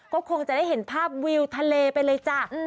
ก็คงจะได้เห็นภาพวิวทะเลไปเลยจ้ะ